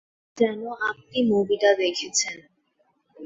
যেন আপনি মুভিটা দেখেছেন।